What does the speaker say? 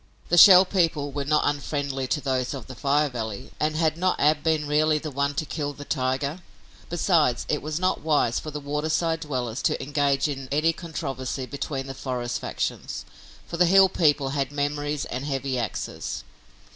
The Shell People were not unfriendly to those of the Fire Valley, and had not Ab been really the one to kill the tiger? Besides, it was not wise for the waterside dwellers to engage in any controversy between the forest factions, for the hill people had memories and heavy axes.